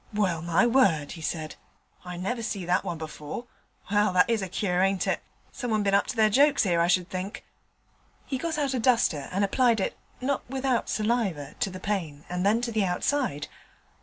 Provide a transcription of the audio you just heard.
'Well, my word,' he said, 'I never see that one before. Well, that is a cure, ain't it? Someone bin up to their jokes 'ere, I should think.' He got out a duster and applied it, not without saliva, to the pane and then to the outside.